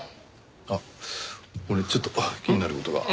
あっ俺ちょっと気になる事が。